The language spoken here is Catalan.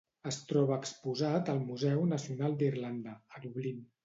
Es troba exposat al Museu Nacional d'Irlanda, a Dublín.